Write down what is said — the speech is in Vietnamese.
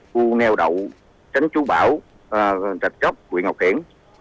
khu neo đậu tránh chú bão rạch chóc quyện ngọc hiển